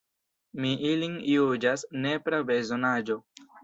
Mi ilin juĝas nepra bezonaĵo.